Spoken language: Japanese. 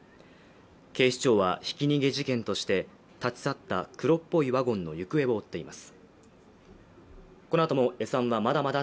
警視庁は、ひき逃げ事件として立ち去った黒っぽいワゴンの行方を追っています。